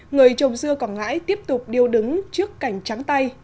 người trồng dưa quảng ngãi tiếp tục điêu đứng trước cảnh trắng tay